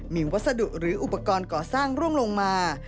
มีวัสดุหรืออุปกรณ์ก่อสร้างร่วงลงมา